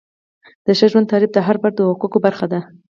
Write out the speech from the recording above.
د ښه ژوند تعریف د هر فرد د حقوقو برخه ده.